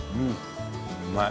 うまい。